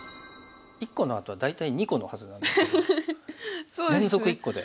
１個のあとは大体２個のはずなんですけど連続１個で。